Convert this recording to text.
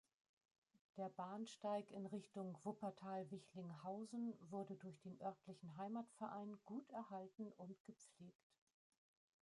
Der Bahnsteig in Richtung Wuppertal-Wichlinghausen wurde durch den örtlichen Heimatverein gut erhalten und gepflegt.